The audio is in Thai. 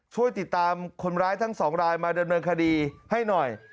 ช่วยติดตามคนร้ายทั้งสองรายมาดำเนินคดีให้หน่อย